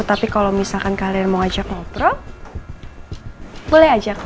tapi kalau misalkan kalian mau ajak ngobrol boleh ajak